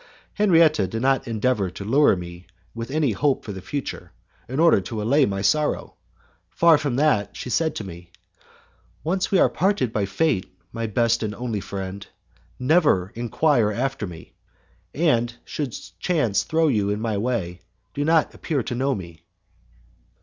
Henriette did not endeavour to lure me with any hope for the future, in order to allay my sorrow! Far from that, she said to me, "Once we are parted by fate, my best and only friend, never enquire after me, and, should chance throw you in my way, do not appear to know me."